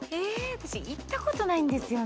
私行ったことないんですよね。